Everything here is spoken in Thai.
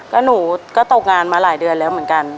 ก็หนูก็ตกงานมาหลายเดือนแล้วเหมือนกัน